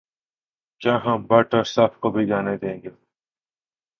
کیا ہم بٹ اور صف کو بھی جانے دیں گے